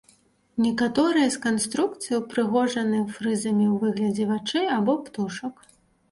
Некаторыя з канструкцый упрыгожаны фрызамі ў выглядзе вачэй або птушак.